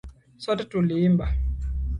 Sote tuliimba.